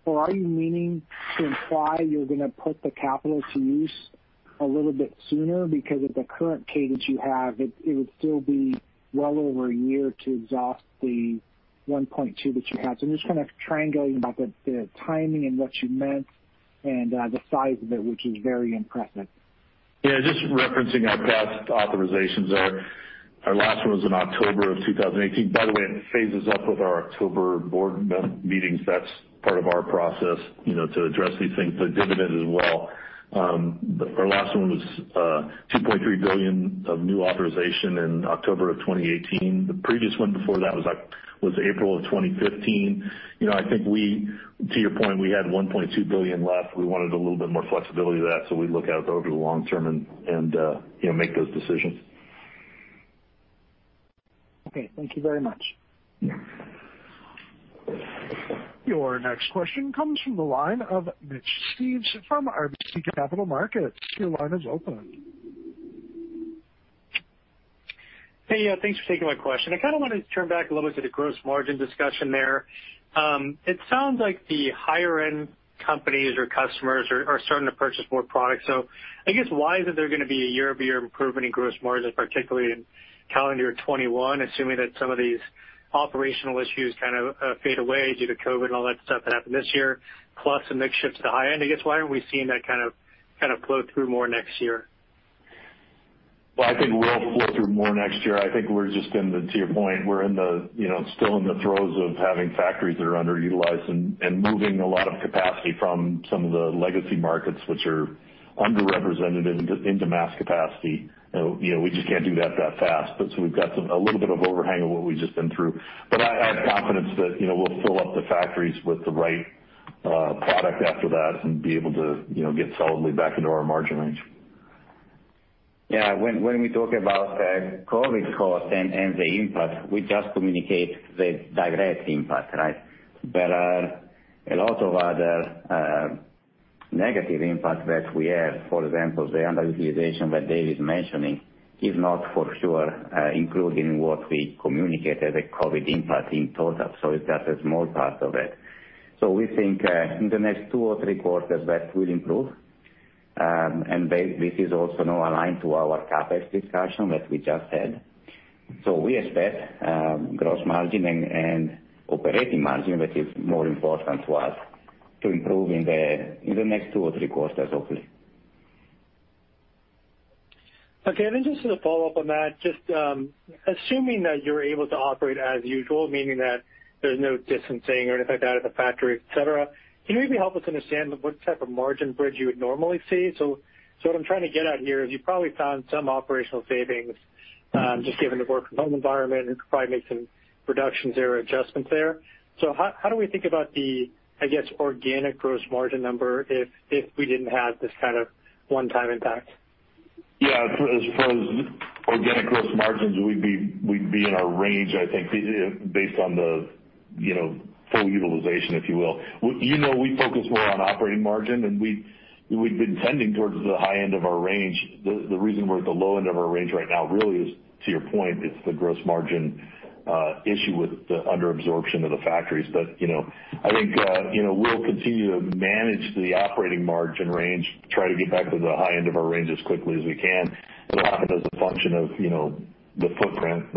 Are you meaning to imply you're going to put the capital to use a little bit sooner? Because at the current cadence you have, it would still be well over a year to exhaust the $1.2 billion that you have. I'm just kind of triangling about the timing and what you meant and the size of it, which is very impressive. Yeah, just referencing our past authorizations there. Our last one was in October of 2018. By the way, it phases up with our October board meetings. That's part of our process to address these things, the dividend as well. Our last one was $2.3 billion of new authorization in October of 2018. The previous one before that was April of 2015. I think to your point, we had $1.2 billion left. We wanted a little bit more flexibility to that, so we look out over the long term and make those decisions. Okay. Thank you very much. Yeah. Your next question comes from the line of Mitch Steves from RBC Capital Markets. Your line is open. Hey, thanks for taking my question. I kind of want to turn back a little bit to the gross margin discussion there. It sounds like the higher-end companies or customers are starting to purchase more products. I guess why isn't there going to be a year-over-year improvement in gross margins, particularly in calendar 2021, assuming that some of these operational issues kind of fade away due to COVID and all that stuff that happened this year, plus a mix shift to high end? I guess why aren't we seeing that kind of flow through more next year? Well, I think we'll flow through more next year. I think we're just in the, to your point, we're still in the throes of having factories that are underutilized and moving a lot of capacity from some of the legacy markets, which are underrepresented into mass capacity. We just can't do that that fast. We've got a little bit of overhang of what we've just been through. I have confidence that we'll fill up the factories with the right product after that and be able to get solidly back into our margin range. Yeah. When we talk about COVID cost and the impact, we just communicate the direct impact, right? There are a lot of other negative impact that we have. For example, the underutilization that Dave is mentioning is not for sure included in what we communicated as a COVID impact in total. It's just a small part of it. We think in the next two or three quarters, that will improve. This is also now aligned to our CapEx discussion that we just had. We expect gross margin and operating margin, that is more important to us, to improve in the next two or three quarters, hopefully. Okay. Just as a follow-up on that, just assuming that you're able to operate as usual, meaning that there's no distancing or anything like that at the factory, et cetera, can you maybe help us understand what type of margin bridge you would normally see? What I'm trying to get at here is you probably found some operational savings, just given the work from home environment, and could probably make some reductions there or adjustments there. How do we think about the, I guess, organic gross margin number if we didn't have this kind of one-time impact? As far as organic gross margins, we'd be in our range, I think, based on the full utilization, if you will. You know, we focus more on operating margin, and we've been tending towards the high end of our range. The reason we're at the low end of our range right now really is, to your point, it's the gross margin issue with the under-absorption of the factories. I think we'll continue to manage the operating margin range, try to get back to the high end of our range as quickly as we can. It often is a function of the footprint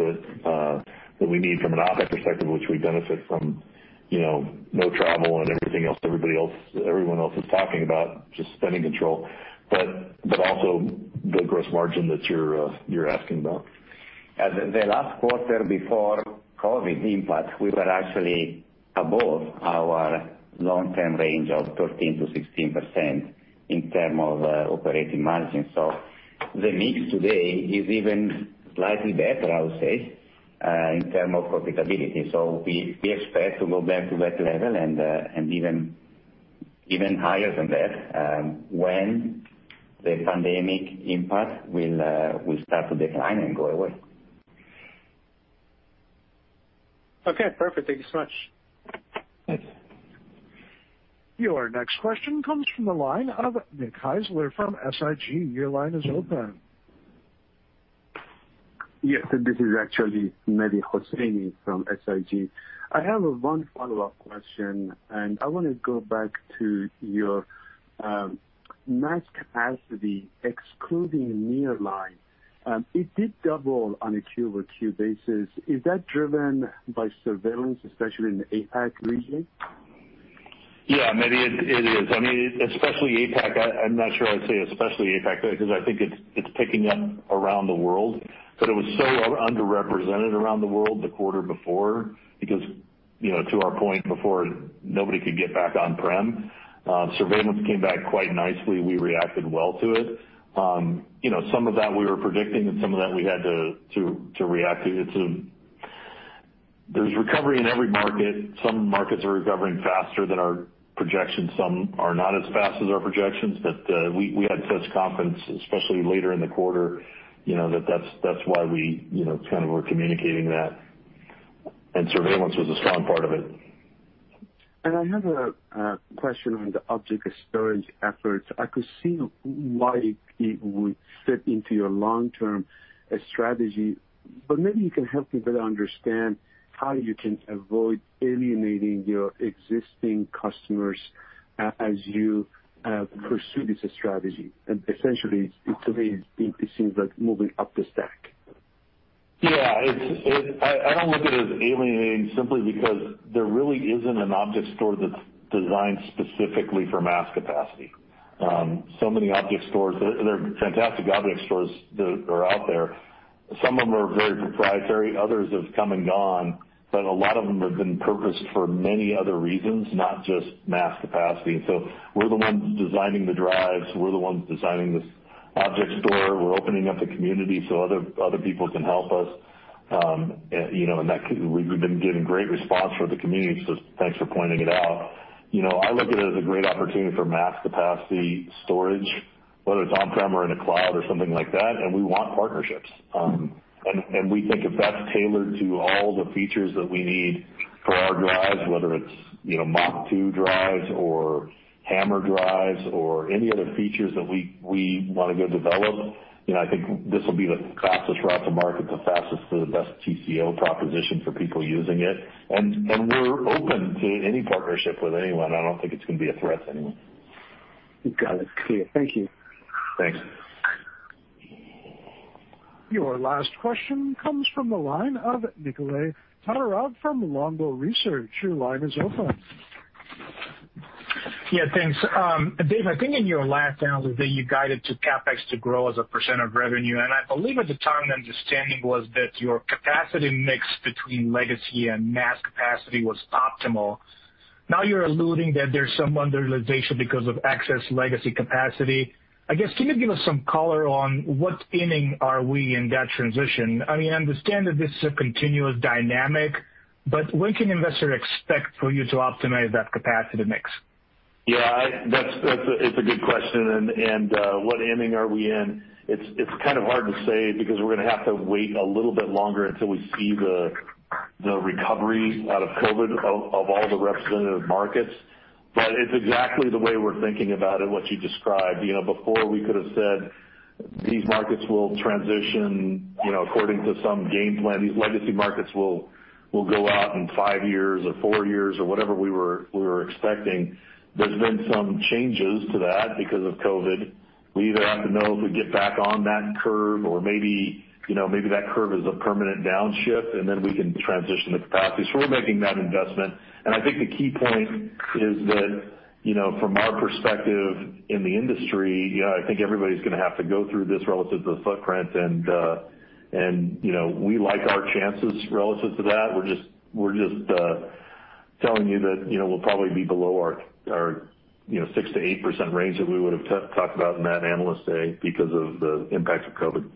that we need from an OpEx perspective, which we benefit from no travel and everything else everyone else is talking about, just spending control. Also the gross margin that you're asking about. The last quarter before COVID impact, we were actually above our long-term range of 13%-16% in term of operating margin. The mix today is even slightly better, I would say, in term of profitability. We expect to go back to that level and even higher than that when the pandemic impact will start to decline and go away. Okay, perfect. Thank you so much. Thanks. Your next question comes from the line of Nick Heisler from SIG. Your line is open. Yes, this is actually Mehdi Hosseini from SIG. I have one follow-up question. I want to go back to your mass capacity excluding nearline. It did double on a Q over Q basis. Is that driven by surveillance, especially in the APAC region? Yeah, Mehdi, it is. Especially APAC. I'm not sure I'd say especially APAC, because I think it's picking up around the world. It was so underrepresented around the world the quarter before because. To our point before, nobody could get back on-prem. Surveillance came back quite nicely. We reacted well to it. Some of that we were predicting, and some of that we had to react to. There's recovery in every market. Some markets are recovering faster than our projections, some are not as fast as our projections. We had such confidence, especially later in the quarter, that's why we were communicating that, and surveillance was a strong part of it. I have a question on the object storage efforts. I could see why it would fit into your long-term strategy, but maybe you can help me better understand how you can avoid alienating your existing customers as you pursue this strategy. Essentially, to me, it seems like moving up the stack. Yeah. I don't look at it as alienating simply because there really isn't an object store that's designed specifically for mass capacity. There are fantastic object stores that are out there. Some of them are very proprietary, others have come and gone, but a lot of them have been purposed for many other reasons, not just mass capacity. We're the ones designing the drives, we're the ones designing this object store. We're opening up the community so other people can help us. We've been getting great response from the community, so thanks for pointing it out. I look at it as a great opportunity for mass capacity storage, whether it's on-prem or in the cloud or something like that, and we want partnerships. We think if that's tailored to all the features that we need for our drives, whether it's MACH.2 drives or HAMR drives or any other features that we want to go develop, I think this will be the fastest route to market, the fastest to the best TCO proposition for people using it. We're open to any partnership with anyone. I don't think it's going to be a threat to anyone. Got it. Clear. Thank you. Thanks. Your last question comes from the line of Nikolay Todorov from Longbow Research. Your line is open. Yeah, thanks. Dave, I think in your last analysis that you guided to CapEx to grow as a % of revenue, and I believe at the time the understanding was that your capacity mix between legacy and mass capacity was optimal. Now you're alluding that there's some underutilization because of excess legacy capacity. I guess, can you give us some color on what inning are we in that transition? I understand that this is a continuous dynamic, but when can investors expect for you to optimize that capacity mix? Yeah. It's a good question. What inning are we in? It's hard to say because we're going to have to wait a little bit longer until we see the recovery out of COVID of all the representative markets. It's exactly the way we're thinking about it, what you described. Before we could've said these markets will transition according to some game plan. These legacy markets will go out in five years or four years or whatever we were expecting. There's been some changes to that because of COVID. We either have to know if we get back on that curve or maybe that curve is a permanent downshift, and then we can transition to practice. We're making that investment, and I think the key point is that from our perspective in the industry, I think everybody's going to have to go through this relative to the footprint, and we like our chances relative to that. We're just telling you that we'll probably be below our 6%-8% range that we would've talked about in that Analyst Day because of the impact of COVID.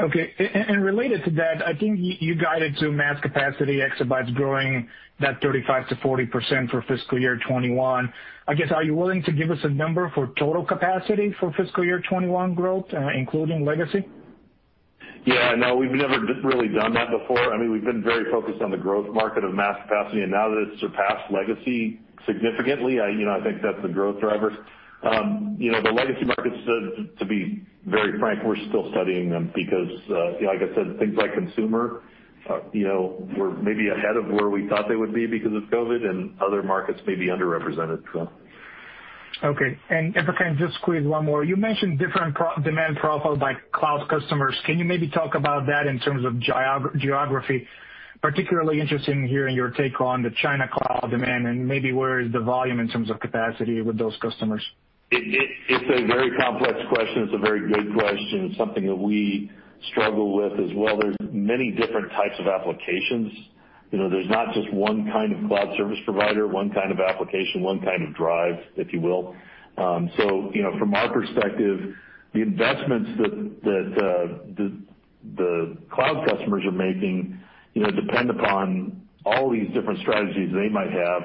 Okay. Related to that, I think you guided to mass capacity exabytes growing that 35%-40% for fiscal year 2021. I guess, are you willing to give us a number for total capacity for fiscal year 2021 growth, including legacy? Yeah. No, we've never really done that before. We've been very focused on the growth market of mass capacity, and now that it's surpassed legacy significantly, I think that's a growth driver. The legacy markets, to be very frank, we're still studying them because like I said, things like consumer were maybe ahead of where we thought they would be because of COVID, and other markets may be underrepresented. Okay. If I can just squeeze one more. You mentioned different demand profiles by cloud customers. Can you maybe talk about that in terms of geography? Particularly interested in hearing your take on the China cloud demand and maybe where is the volume in terms of capacity with those customers. It's a very complex question. It's a very good question. Something that we struggle with as well. There's many different types of applications. There's not just one kind of cloud service provider, one kind of application, one kind of drive, if you will. From our perspective, the investments that the cloud customers are making depend upon all these different strategies they might have.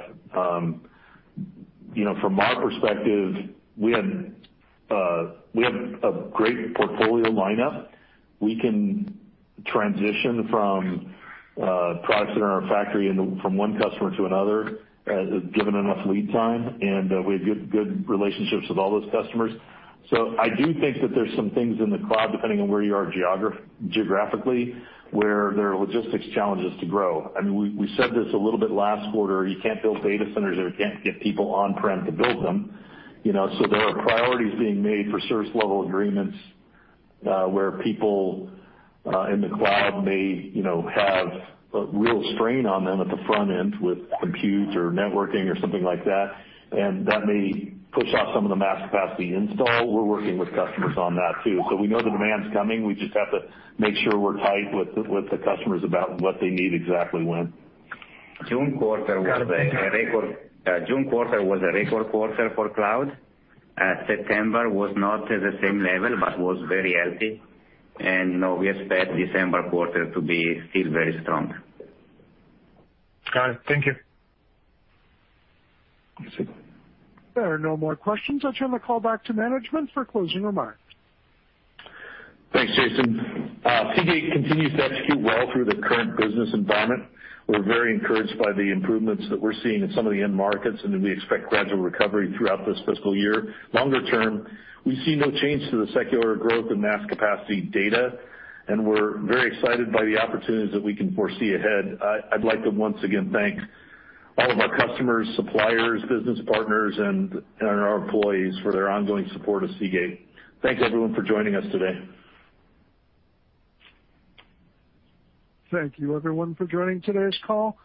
From our perspective, we have a great portfolio lineup. We can transition from products that are in our factory and from one customer to another, given enough lead time, and we have good relationships with all those customers. I do think that there's some things in the cloud, depending on where you are geographically, where there are logistics challenges to grow. We said this a little bit last quarter, you can't build data centers if you can't get people on-prem to build them. There are priorities being made for service level agreements, where people in the cloud may have a real strain on them at the front end with compute or networking or something like that, and that may push off some of the mass capacity install. We're working with customers on that too. We know the demand's coming, we just have to make sure we're tight with the customers about what they need exactly when. June quarter was a record quarter for cloud. September was not at the same level but was very healthy. We expect December quarter to be still very strong. Got it. Thank you. Yes. There are no more questions. I'll turn the call back to management for closing remarks. Thanks, Jason. Seagate continues to execute well through the current business environment. We're very encouraged by the improvements that we're seeing in some of the end markets, and we expect gradual recovery throughout this fiscal year. Longer term, we see no change to the secular growth in mass capacity data, and we're very excited by the opportunities that we can foresee ahead. I'd like to once again thank all of our customers, suppliers, business partners, and our employees for their ongoing support of Seagate. Thanks, everyone, for joining us today. Thank you everyone for joining today's call.